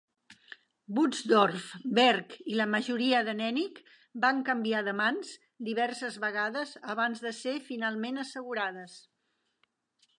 Butzdorf, Berg i la majoria de Nennig van canviar de mans diverses vegades abans de ser finalment assegurades.